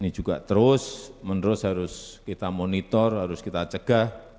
ini juga terus menerus harus kita monitor harus kita cegah